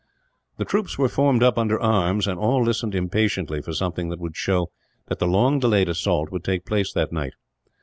The troops were formed up under arms, and all listened impatiently for something that would show that the long delayed assault would take place that night.